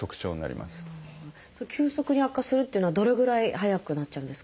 急速に悪化するっていうのはどれぐらい早くなっちゃうんですか？